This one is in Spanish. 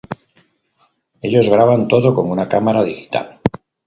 Ellos graban todo con una cámara digital.